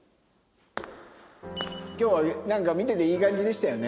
今日はなんか見てていい感じでしたよね。